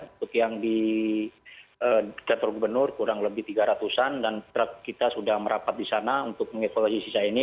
untuk yang di gatorgo benur kurang lebih tiga ratusan dan truk kita sudah merapat di sana untuk mengekualisi sisa ini